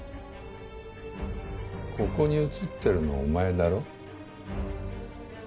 ここに写ってるのお前だろ？